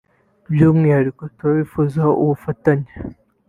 "By’umwihariko turabifuzaho ubufatanye